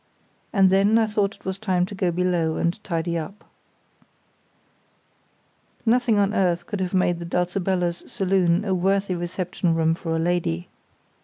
And then I thought it was time to go below and tidy up. Nothing on earth could have made the Dulcibella's saloon a worthy reception room for a lady.